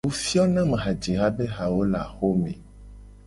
Wo fio na mu hajiha be hawo le axome.